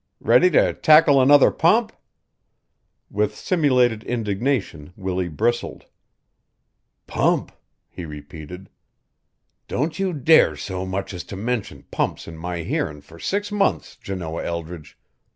Ready to tackle another pump?" With simulated indignation Willie bristled. "Pump!" he repeated. "Don't you dare so much as to mention pumps in my hearin' fur six months, Janoah Eldridge.